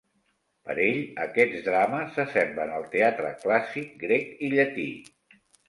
Per ell, aquests drames s'assemblen al teatre clàssic grec i llatí.